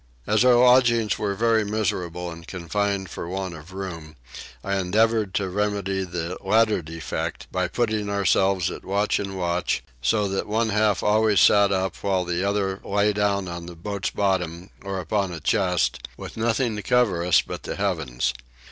As our lodgings were very miserable and confined for want of room I endeavoured to remedy the latter defect by putting ourselves at watch and watch; so that one half always sat up while the other lay down on the boat's bottom or upon a chest, with nothing to cover us but the heavens.